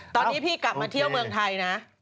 ตอนนี้พี่กลับมาเที่ยวเมืองไทยนะ